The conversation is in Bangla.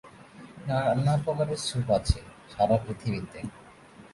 নানা প্রকারের স্যুপ আছে সারা পৃথিবীতে।